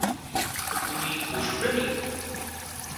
তুমি পশু প্রেমী?